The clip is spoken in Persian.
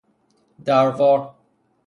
دروار